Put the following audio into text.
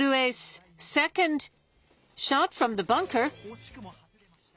惜しくも外れました。